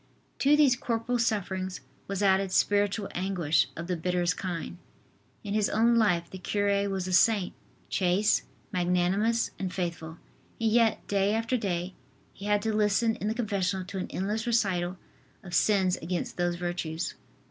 To these corporal sufferings was added spiritual anguish of the bitterest kind. In his own life the cure was a saint, chaste, magnanimous and faithful, and yet, day after day, he had to listen in the confessional to an endless recital of sins against those virtues.